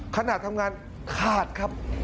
ขณะทำงานขาดครับ